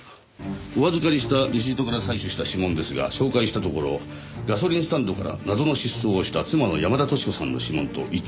お預かりしたレシートから採取した指紋ですが照会したところガソリンスタンドから謎の失踪をした妻の山田淑子さんの指紋と一致しました。